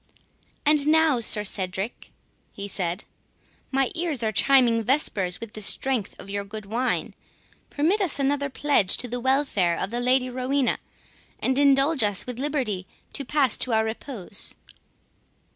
"And now, Sir Cedric," he said, "my ears are chiming vespers with the strength of your good wine—permit us another pledge to the welfare of the Lady Rowena, and indulge us with liberty to pass to our repose."